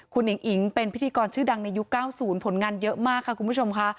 คุณอิ๋งอิ๋งเป็นพิธีกรชื่อดังในยุค๙๐ผลงานเยอะมากค่ะคุณผู้ชมค่ะ